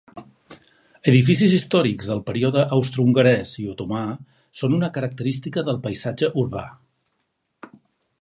Edificis històrics del període austrohongarès i otomà són una característica del paisatge urbà.